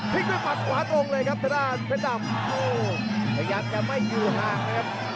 พลิกด้วยมันขวาตรงเลยครับเค้นดำเค้นดำโอ้พยายามจะไม่อยู่ห่างนะครับ